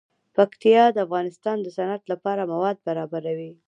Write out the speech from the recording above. پکتیا د افغانستان د صنعت لپاره مواد برابروي.